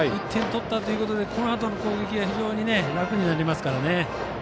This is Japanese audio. １点取ったということでこのあとの攻撃が非常に楽になりますから。